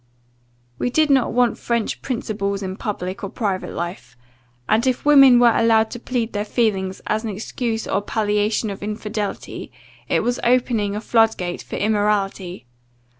We did not want French principles in public or private life and, if women were allowed to plead their feelings, as an excuse or palliation of infidelity, it was opening a flood gate for immorality.